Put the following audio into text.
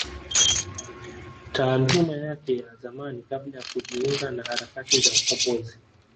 Taaluma yake ya zamani kabla ya kujiunga na harakati za ukombozi